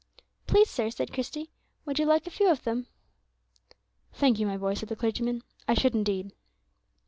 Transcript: "Please, sir," said Christie, "would you like a few of them?" "Thank you, my boy," said the clergyman, "I should indeed."